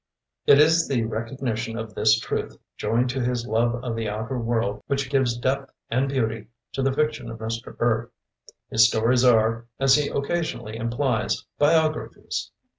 It is the recognition of this truth joined to his love of the outer world which gives depth and beauty to the fiction of Mr. Burt. His stories are, as he occasionally implies, biographies.